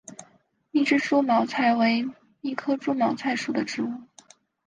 密枝猪毛菜为苋科猪毛菜属的植物。